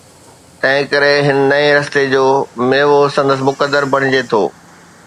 تنهنڪري هن نئين رستي جو ميوو سندس مقدر بڻجي ٿو.